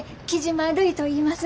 雉真るいといいます。